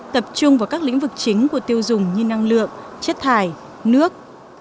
tập trung vào các lĩnh vực chính của tiêu dùng như năng lượng chất thải nước